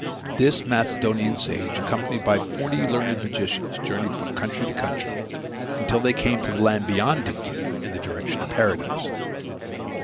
This Macedonian sage, accompanied by forty learned magicians, journeyed from country to country, until they came to the land beyond India, in the direction of Paradise.